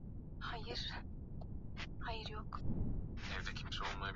ingetarajiwa kuanza tena Jumatano